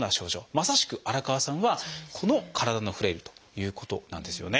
まさしく荒川さんはこの体のフレイルということなんですよね。